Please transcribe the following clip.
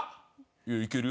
いやいけるよ。